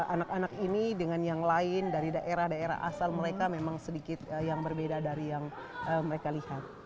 anak anak ini dengan yang lain dari daerah daerah asal mereka memang sedikit yang berbeda dari yang mereka lihat